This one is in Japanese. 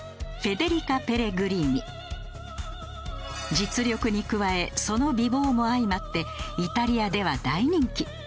実力に加えその美貌も相まってイタリアでは大人気。